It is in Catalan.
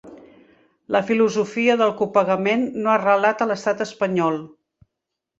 La filosofia del copagament no ha arrelat a l'Estat espanyol.